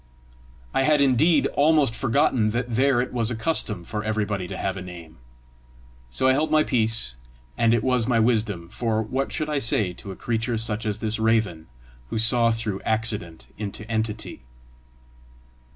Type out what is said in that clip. I had indeed almost forgotten that there it was a custom for everybody to have a name! So I held my peace, and it was my wisdom; for what should I say to a creature such as this raven, who saw through accident into entity?